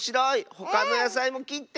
ほかのやさいもきって。